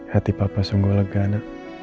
hati papa sungguh legana